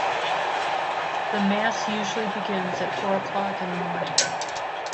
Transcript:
The Mass usually begins at four o'clock in the morning.